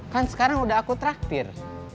kan sekarang udah aku traktir